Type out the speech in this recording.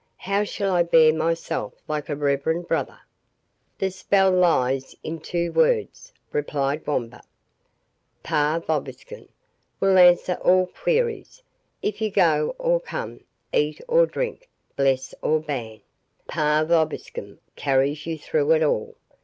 How shall I bear myself like a reverend brother?" "The spell lies in two words," replied Wamba—"'Pax vobiscum' will answer all queries. If you go or come, eat or drink, bless or ban, 'Pax vobiscum' carries you through it all.